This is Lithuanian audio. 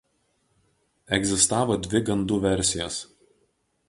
Egzistavo dvi gandų versijos.